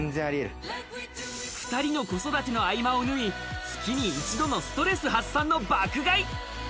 ２人の子育ての合間を縫い、月に一度のストレス発散の爆買い。